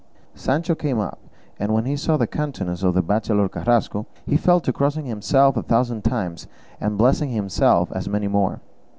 Sancho came up, and when he saw the countenance of the bachelor Carrasco, he fell to crossing himself a thousand times, and blessing himself as many more.